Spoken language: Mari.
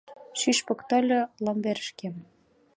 Шӱшпык тольо ломберышкем.